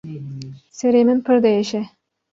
Serê min pir diêşe.